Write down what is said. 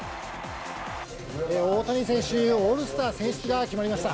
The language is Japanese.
大谷選手、オールスター選出が決まりました。